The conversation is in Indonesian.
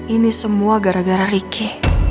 ini semua gara gara riki